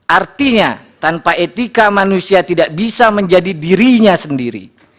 artinya tanpa etika manusia tidak bisa menjadi dirinya sendiri